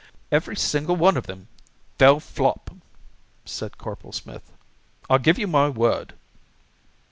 "Every single one of them fell flop," said Corporal Smith; "I give you my word."